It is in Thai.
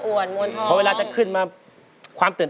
เพลงที่เจ็ดเพลงที่แปดแล้วมันจะบีบหัวใจมากกว่านี้